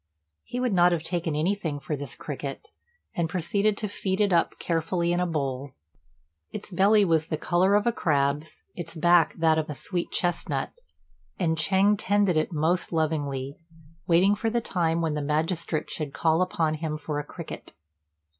He would not have taken anything for this cricket, and proceeded to feed it up carefully in a bowl. Its belly was the colour of a crab's, its back that of a sweet chestnut; and Ch'êng tended it most lovingly, waiting for the time when the magistrate should call upon him for a cricket.